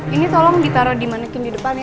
ini tolong ditaro di manekin di depan ya